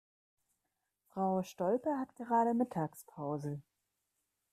Frau Stolpe hat gerade Mittagspause.